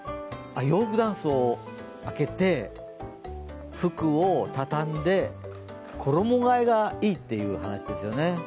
洋服だんすを開けて服を畳んで、衣がえがいいという話ですよね。